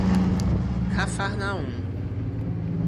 Cafarnaum